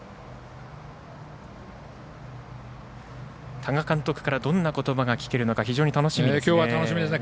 多賀監督からどんな言葉を聞けるのか非常に楽しみですね。